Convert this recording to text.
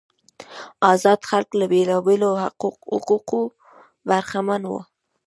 آزاد خلک له بیلابیلو حقوقو برخمن وو.